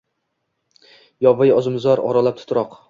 Yovvoyi uzumzor oralab, titroq —